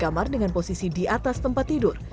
kamar dengan posisi di atas tempat tidur